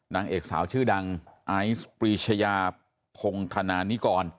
นางเอกสาวชื่อดังไอซ์ปรีชยาพงธนานิกร